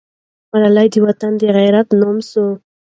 ملالۍ د وطن د غیرت نمونه سوه.